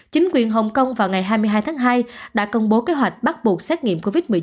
chính quyền hồng kông vào ngày hai mươi hai tháng hai đã công bố kế hoạch bắt buộc xét nghiệm covid một mươi chín